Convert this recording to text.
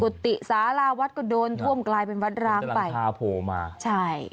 ุฏิสาราวัดก็โดนท่วมกลายเป็นวัดร้างไปพาโผล่มาใช่